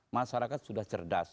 masyarakat sudah cerdas